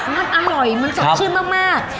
มันอร่อยมันสดชื่นมาก